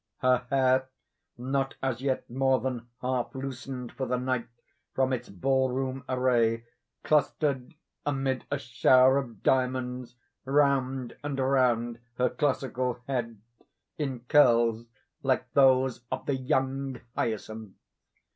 Her hair, not as yet more than half loosened for the night from its ball room array, clustered, amid a shower of diamonds, round and round her classical head, in curls like those of the young hyacinth.